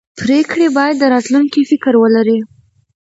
پرېکړې باید د راتلونکي فکر ولري